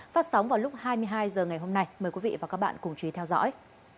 phát sóng vào lúc hai mươi hai h ngày hôm nay mời quý vị và các bạn cùng chú ý theo dõi